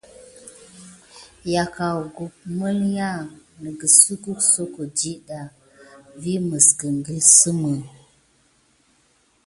Yakaku məlinya nisgue danasine soko dida mis guelna ne.